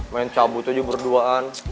main cabut aja berduaan